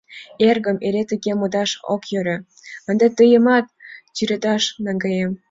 — Эргым, эре тыге модаш ок йӧрӧ, ынде тыйымат тӱредаш наҥгаем.